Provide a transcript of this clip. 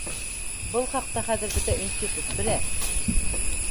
Был хаҡта хәҙер бөтә институт белә